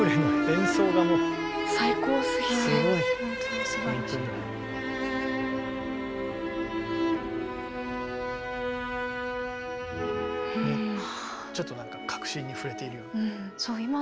ちょっとなんか核心に触れているような。